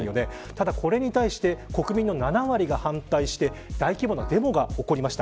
ただ、これに対して国民の７割が反対して大規模なデモが起こりました。